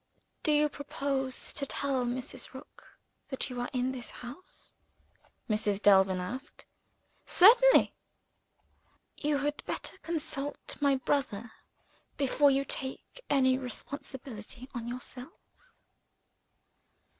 "Do you propose to tell Mrs. Rook that you are in this house?" Mrs. Delvin asked. "Certainly." "You had better consult my brother, before you take any responsibility on yourself."